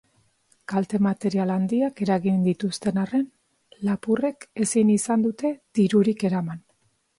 Kalte material handiak eragin dituzten arren, lapurrek ezin izan dute dirurik eraman.